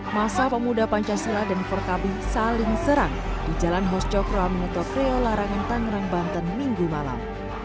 masa pemuda pancasila dan forkabi saling serang di jalan hos cokro aminoto prio larangan tangerang banten minggu malam